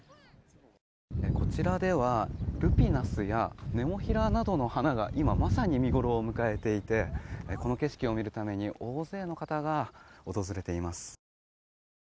こちらではルピナスやネモフィラなどの花が今まさに見ごろを迎えていてこの景色を見るために大勢の方が訪れています。